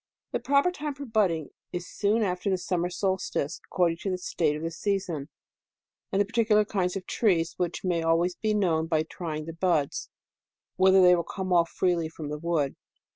The proper time for budding is soon after the summer solstice, according to the state of the season, and the particular kind of trees, which may always be known by trying the buds, whether they will come off freely from the wood.